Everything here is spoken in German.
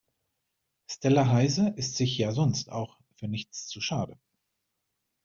Stella Heise ist sich ja sonst auch für nichts zu schade.